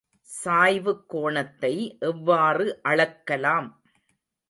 சாய்வுக் கோணத்தை எவ்வாறு அளக்கலாம்?